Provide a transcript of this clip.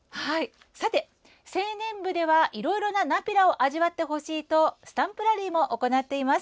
青年部では、いろいろなナピラを味わってほしいとスタンプラリーも行っています